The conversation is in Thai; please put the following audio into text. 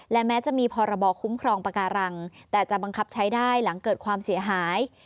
และแม้จะมีพรบคุ้มครองปาการังแต่จะบังคับใช้ได้หลังเกิดความเสียหาย